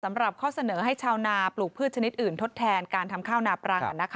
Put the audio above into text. สำหรับข้อเสนอให้ชาวนาปลูกพืชชนิดอื่นทดแทนการทำข้าวนาปรัง